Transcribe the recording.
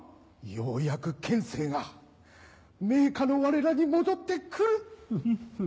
ようやく権勢が名家の我らに戻って来る！